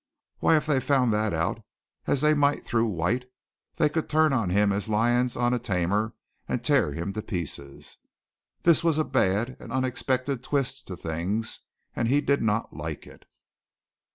Why, if they found that out, as they might through White, they could turn on him as lions on a tamer and tear him to pieces! This was a bad and unexpected twist to things, and he did not like it.